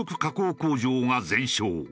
工場が全焼。